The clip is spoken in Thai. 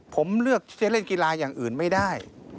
ผมเลือกที่จะเล่นกีฬาอย่างอื่นไม่ได้